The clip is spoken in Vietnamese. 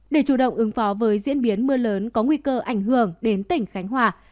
để chủ động ứng phó với diễn biến mưa lớn có nguy cơ ảnh hưởng đến tỉnh khánh hòa